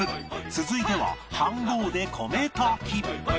続いては飯ごうで米炊き